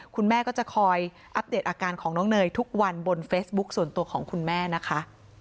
คุณแม่ก็จะคอยอัปเดตอาการของน้องเนยทุกวันบนเฟซบุ๊คส่วนตัวของคุณแม่นะคะ